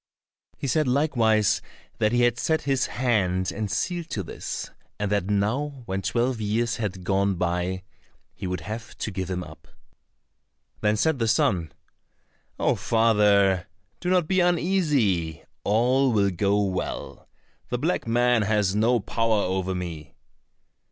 He said likewise that he had set his hand and seal to this, and that now when twelve years had gone by he would have to give him up. Then said the son, "Oh, father, do not be uneasy, all will go well. The black man has no power over me."